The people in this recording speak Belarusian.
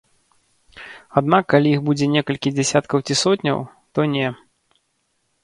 Аднак калі іх будзе некалькі дзясяткаў ці сотняў, то не.